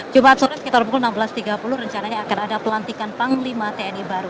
jumat sore sekitar pukul enam belas tiga puluh rencananya akan ada pelantikan panglima tni baru